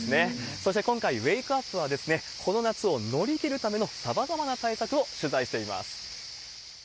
そして、今回、ウェークアップはこの夏を乗り切るためのさまざまな対策を取材しています。